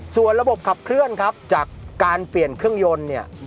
ส่วนระบบขับเคลื่อนครับจากการเปลี่ยนเครื่องยนต์เนี่ย